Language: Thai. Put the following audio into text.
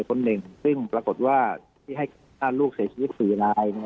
คนหนึ่งซึ่งปรากฏว่าที่ให้ฆ่าลูกเสียชีวิต๔ลาย